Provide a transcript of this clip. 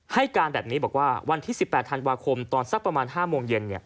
ให้การแบบนี้บอกว่าวันที่๑๘ธันวาคมตอนสักประมาณ๕โมงเย็น